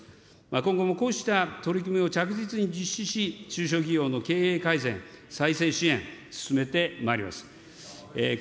今後もこうした取り組みを着実に実施し、中小企業の経営改善、再生支援、進めてまいります。